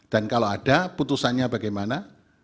dan kalau ada putusannya bagaimana